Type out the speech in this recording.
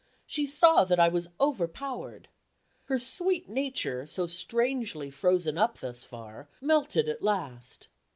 She saw that I was overpowered. Her sweet nature, so strangely frozen up thus far, melted at last.